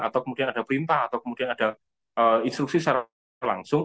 atau kemudian ada perintah atau kemudian ada instruksi secara langsung